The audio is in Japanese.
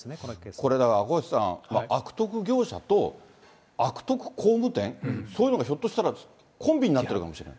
これ、赤星さん、悪徳業者と、悪徳工務店、そういうのがひょっとしたらコンビになっているかもしれない。